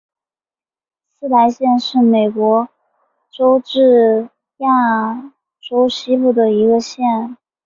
施莱县是美国乔治亚州西部的一个县。